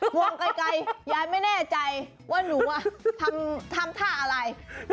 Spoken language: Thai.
วงไกลยายไม่แน่ใจว่าหนูทำท่าอะไร